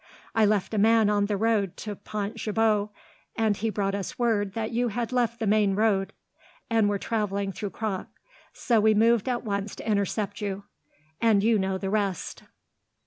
I left a man on the road to Pont Gibaut, and he brought us word that you had left the main road, and were travelling through Croc, so we moved at once to intercept you; and you know the rest."